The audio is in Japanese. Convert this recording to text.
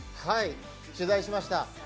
はい、取材しました。